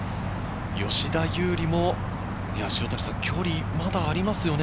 吉田優利も距離まだありますよね？